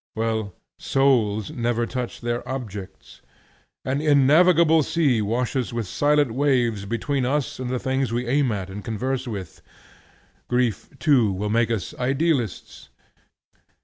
Well, souls never touch their objects. An innavigable sea washes with silent waves between us and the things we aim at and converse with. Grief too will make us idealists.